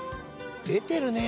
出てるね